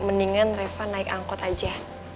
mendingan reva naik angkot aja